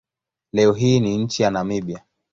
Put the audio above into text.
Leo hii ni nchi ya Namibia.